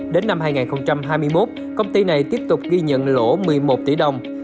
đến năm hai nghìn hai mươi một công ty này tiếp tục ghi nhận lỗ một mươi một tỷ đồng